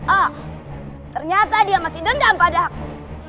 oh ternyata dia masih dendam padaku